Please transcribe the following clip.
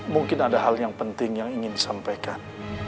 mungkin ada hal yang penting yang ingin disampaikan